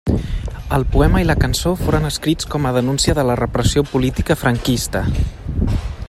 El poema i la cançó foren escrits com a denúncia de la repressió política franquista.